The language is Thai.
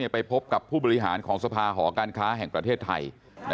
ไปพบกับผู้บริหารของสภาหอการค้าแห่งประเทศไทย